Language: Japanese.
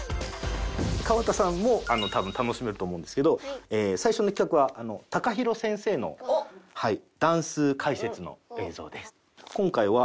河田さんも多分楽しめると思うんですけど最初の企画はＴＡＫＡＨＩＲＯ先生のダンス解説の映像です。